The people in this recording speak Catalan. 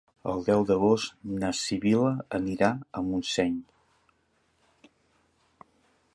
El deu d'agost na Sibil·la anirà a Montseny.